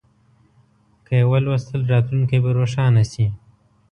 که یې ولوستل، راتلونکی به روښانه شي.